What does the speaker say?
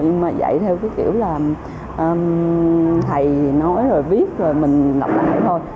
nhưng mà dạy theo cái kiểu là thầy nói rồi viết rồi mình lọc lại thôi